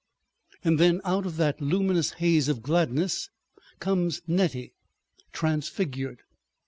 And then out of that luminous haze of gladness comes Nettie, transfigured.